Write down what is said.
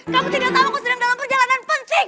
kamu tidak tahu aku sedang dalam perjalanan penting